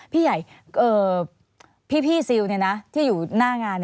พี่ใหญ่พี่ซิลที่อยู่หน้างาน